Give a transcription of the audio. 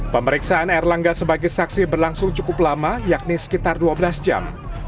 pemeriksaan erlangga sebagai saksi berlangsung cukup lama yakni sekitar dua belas jam